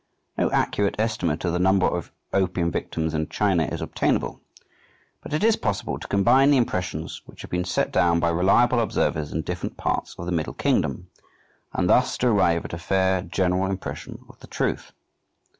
No accurate estimate of the number of opium victims in China is obtainable; but it is possible to combine the impressions which have been set down by reliable observers in different parts of the "Middle Kingdom," and thus to arrive at a fair, general impression of the truth.